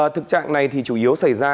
thực trạng này thì chủ yếu xảy ra